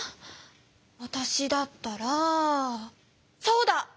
わたしだったらそうだ！